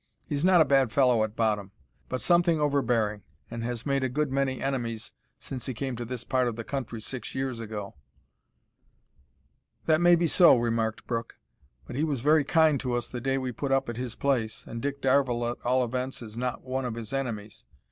He's not a bad fellow at bottom, but something overbearing, and has made a good many enemies since he came to this part of the country six years ago." "That may be so," remarked Brooke, "but he was very kind to us the day we put up at his place, and Dick Darvall, at all events, is not one of his enemies.